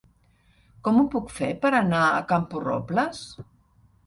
Com ho puc fer per anar a Camporrobles?